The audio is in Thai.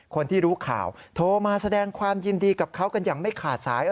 คนที่รู้ข่าวโทรมาแสดงความยินดีกับเขากันอย่างไม่ขาดสาย